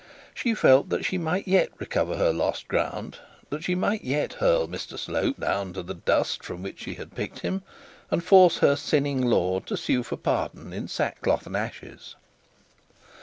She felt that she might yet recover her lost ground, that she might yet hurl Mr Slope down to the dust from which she had picked him, and force her sinning lord to sue for pardon in sackcloth and ashes.